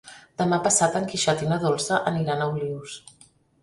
Demà passat en Quixot i na Dolça aniran a Olius.